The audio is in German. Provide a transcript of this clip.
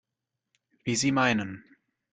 Wie Sie meinen.